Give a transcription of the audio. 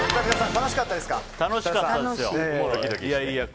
楽しかったですよ。